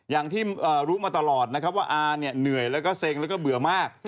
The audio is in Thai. อย่างที่รู้มาตลอดนะครับว่าอาเนี่ยเหนื่อยแล้วก็เซ็งแล้วก็เบื่อมาก